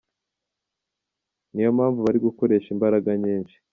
Niyo mpamvu bari gukoresha imbaraga nyinshi.